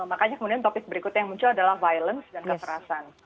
makanya kemudian topik berikutnya yang muncul adalah violence dan kekerasan